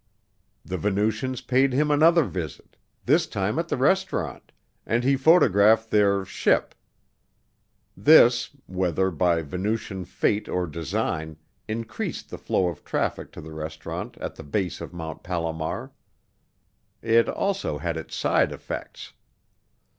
The Venusians paid him another visit, this time at the restaurant, and he photographed their "ship." This, whether by Venusian fate or design, increased the flow of traffic to the restaurant at the base of Mt. Palomar. It also had its side effects.